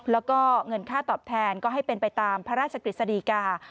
แล้วก็เงินค่าตอบแทนก็ให้เป็นไปตามพระราชกฤษฎีกา